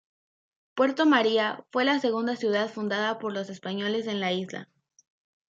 Puerto María fue la segunda ciudad fundada por los españoles en la isla.